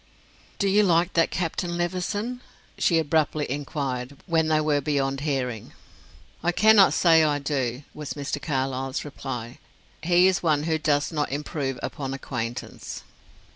"Do you like that Captain Levison?" she abruptly inquired, when they were beyond hearing. "I cannot say I do," was Mr. Carlyle's reply. "He is one who does not improve upon acquaintance."